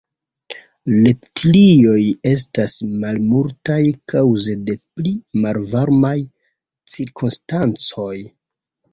Reptilioj estas malmultaj kaŭze de pli malvarmaj cirkonstancoj.